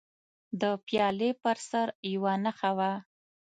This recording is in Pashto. د پیالې پر سر یوه نښه وه.